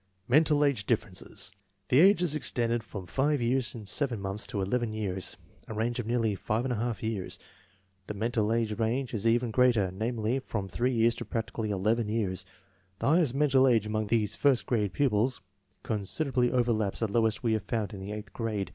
Mental age differences. The ages extended from 5 years 7 months to 11 years, a range of nearly 5| years. The mental age range is even greater; namely, from 3 years to practically 11 years. The highest mental age among these first grade pupils considerably overlaps the lowest we have found in the eighth grade.